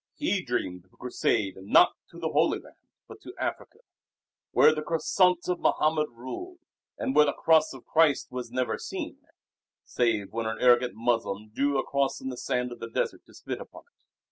He dreamed of a Crusade not to the Holy Land but to Africa, where the Crescent of Mohammed ruled and where the Cross of Christ was never seen save when an arrogant Moslem drew a cross in the sand of the desert to spit upon it.